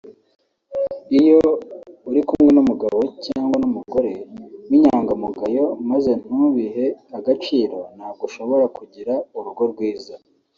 Iyo uri kumwe n’umugabo cyangwa umugore w’inyangamugayo maze ntubihe agaciro ntabwo ushobora kugira urugo rwiza